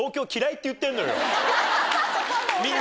って言ってんのよ。